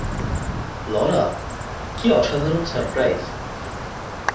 Laura, কি অসাধারণ surprise!